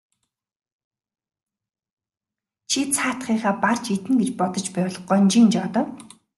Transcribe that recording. Чи цаадхыгаа барж иднэ гэж бодож байвал гонжийн жоо доо.